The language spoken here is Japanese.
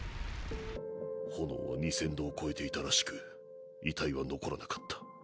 炎は２０００度を超えていたらしく遺体は残らなかった。